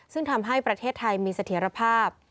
ซึ่งทำให้ประเทศไทยมีเสถียรภาพ